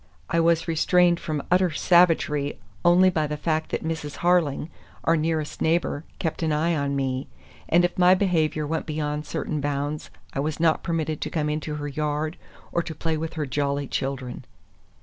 I was restrained from utter savagery only by the fact that Mrs. Harling, our nearest neighbor, kept an eye on me, and if my behavior went beyond certain bounds I was not permitted to come into her yard or to play with her jolly children.